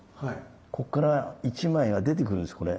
ここから１枚が出てくるんですこれ。